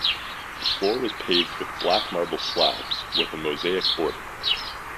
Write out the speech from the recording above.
The floor was paved with black marble slabs, with a mosaic border.